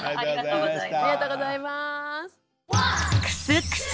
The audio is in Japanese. ありがとうございます。